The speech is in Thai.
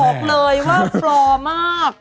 บอกเลยว่าปลอมมาก